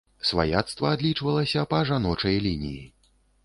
Сваяцтва адлічвалася па жаночай лініі.